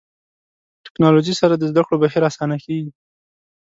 ټکنالوژي سره د زده کړو بهیر اسانه کېږي.